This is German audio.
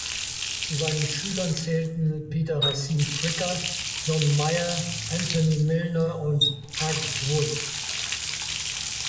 Zu seinen Schülern zählten Peter Racine Fricker, John Mayer, Anthony Milner und Hugh Wood.